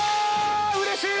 うれしい！